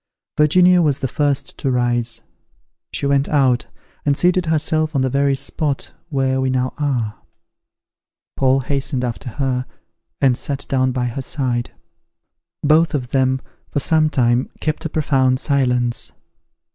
Virginia was the first to rise; she went out, and seated herself on the very spot where we now are. Paul hastened after her, and sat down by her side. Both of them, for some time, kept a profound silence.